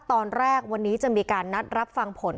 ตอนแรกวันนี้จะมีการนัดรับฟังผล